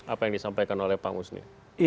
apa yang disampaikan oleh pak musni